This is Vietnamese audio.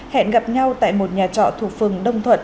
hẹn gặp nhau tại một nhà trọ thuộc phường đông thuận